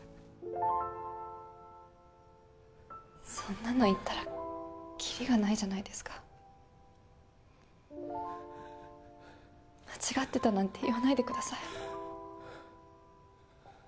そんなの言ったらきりがないじゃないですか間違ってたなんて言わないでください